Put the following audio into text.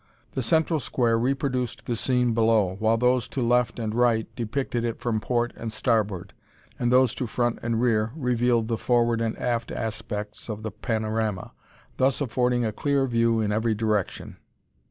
The central square reproduced the scene below, while those to left and right depicted it from port and starboard, and those to front and rear revealed the forward and aft aspects of the panorama, thus affording a clear view in every direction.